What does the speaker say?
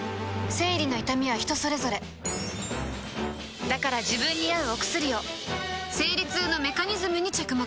生理の痛みは人それぞれだから自分に合うお薬を生理痛のメカニズムに着目